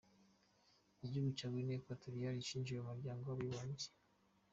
Igihugu cya Guinee Equatorial cyinjije mu muryango w’abibumbye.